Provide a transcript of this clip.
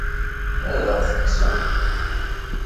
Ad aɣ-t-kksen?